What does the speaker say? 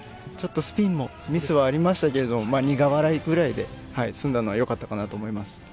スピンもミスはありましたけど苦笑いぐらいで済んだのはよかったと思います。